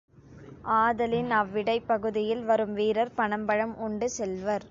ஆதலின், அவ்விடைப் பகுதியில் வரும் வீரர், பனம்பழம் உண்டு செல்வர்.